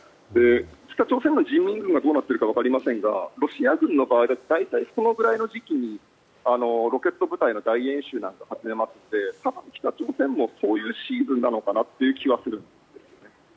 北朝鮮の人民軍がどうなっているかわかりませんがロシア軍の場合だと大体そのくらいの時期にロケット部隊の大演習なども始まって北朝鮮もこういうシーズンなのかなという気はするんですけど。